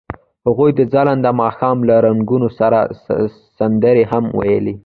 هغوی د ځلانده ماښام له رنګونو سره سندرې هم ویلې.